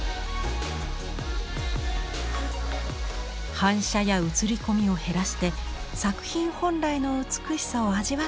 反射や映り込みを減らして作品本来の美しさを味わってもらいたい。